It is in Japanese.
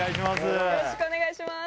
よろしくお願いします。